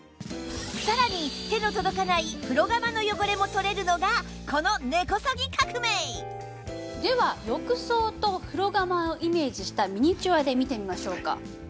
さらに手の届かない風呂釜の汚れも取れるのがこの根こそぎ革命では浴槽と風呂釜をイメージしたミニチュアで見てみましょうか。